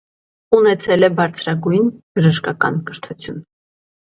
Ունեցել է բարձրագույն բժշկական կրթություն։